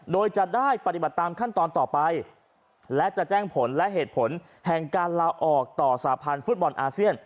โดยจะได้ปฏิบัติตามขั้นตอนต่อไปและจะแจ้งผลและเหตุผลแห่งการลาออกต่อสาพันธ์ฟุตบอลอาเซียน